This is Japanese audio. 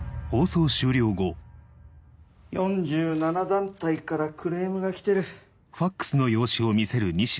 ４７団体からクレームが来てる。